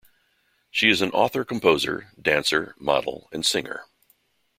She is an author-composer, dancer, model and singer.